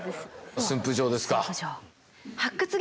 駿府城ですか。